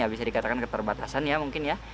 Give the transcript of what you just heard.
bisa dikatakan keterbatasan ya mungkin ya